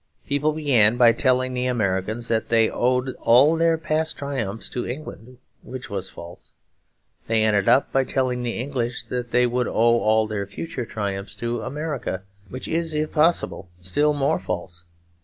People began by telling the Americans that they owed all their past triumphs to England; which was false. They ended up by telling the English that they would owe all their future triumphs to America; which is if possible still more false.